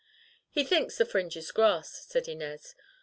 "He thinks the fringe is grass," said Inez.